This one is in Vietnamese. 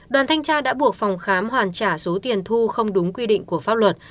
đoàn thanh tra đã buộc phòng khám hoàn trả số tiền thu không đúng quy định của pháp luật